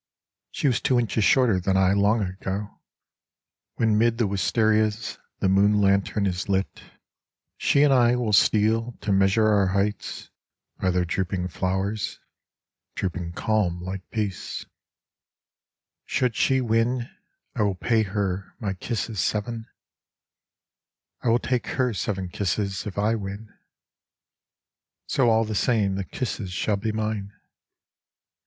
She was two inches shorter than I long ago. When mid the wistarias the moon lantern is lit, She and I will steal to measure our heights By their drooping flowers — drooping calm like peace. The Eastern Sea 113 Should she win, I will pay her my kisses seven : I will take her seven kisses if I win : So all the same the kisses shall be mine.